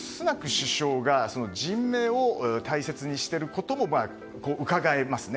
首相が人命を大切にしていることもうかがえますね。